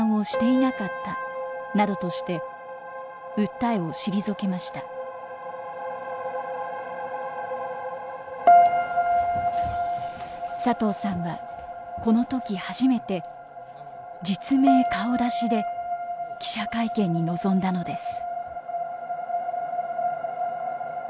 また市の責任については。佐藤さんはこの時初めて実名・顔出しで記者会見に臨んだのです。